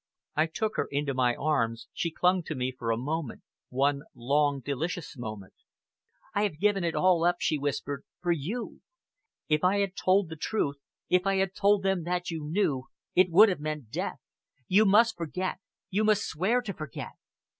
I took her into my arms she clung to me for a moment one long, delicious moment. "I have given it all up," she whispered, "for you! If I had told the truth, if I had told them that you knew, it would have meant death! You must forget, you must swear to forget."